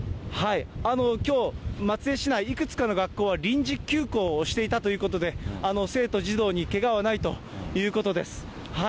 きょう、松江市内、いくつかの学校は臨時休校をしていたということで、生徒・児童にけがはないということです。